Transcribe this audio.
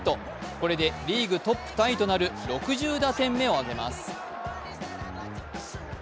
これでリーグトップタイトなる６０打点目をあげます。